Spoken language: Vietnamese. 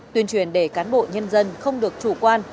tuyên truyền để cán bộ nhân dân không được chủ quan